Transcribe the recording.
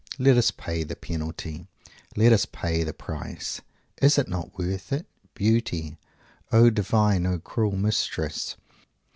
Let us pay the penalty. Let us pay the price. Is it not worth it? Beauty! O divine, O cruel Mistress!